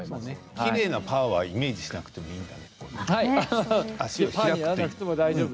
きれいなパーを意識しなくてもいいんだね